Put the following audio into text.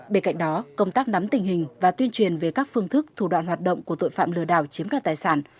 bên cạnh đó công tác nắm tình hình và tuyên truyền về các phương thức thủ đoạn hoạt động của tội phạm lừa đảo chiếm đoạt tài sản